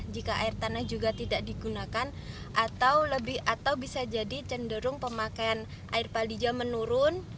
jika air tanah juga tidak digunakan atau lebih atau bisa jadi cenderung pemakaian air palija menurun